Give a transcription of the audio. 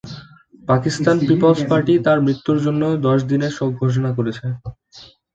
Pakistan peoples party তার মৃত্যুর জন্য দশ দিনের শোক ঘোষণা করেছে।